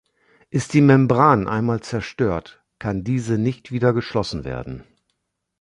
Ist die Membran einmal zerstört, kann diese nicht wieder geschlossen werden.